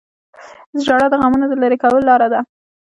• ژړا د غمونو د لرې کولو لاره ده.